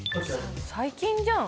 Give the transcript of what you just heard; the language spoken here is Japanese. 最近じゃん。